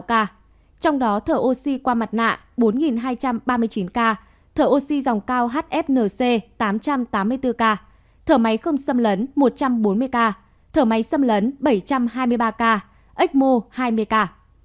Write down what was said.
trong đó thở oxy qua mặt nạ bốn hai trăm ba mươi chín ca thở oxy dòng cao hfnc tám trăm tám mươi bốn ca thở máy không xâm lấn một trăm bốn mươi ca thở máy xâm lấn bảy trăm hai mươi ba ca exmo hai mươi ca